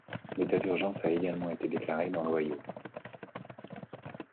L’état d’urgence a également été déclaré dans l’Ohio.